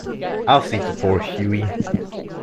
I'll see to poor Hughie.